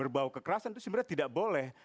berbau kekerasan itu sebenarnya tidak boleh